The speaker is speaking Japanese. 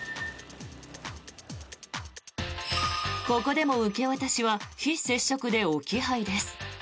ここでも受け渡しは非接触で置き配です。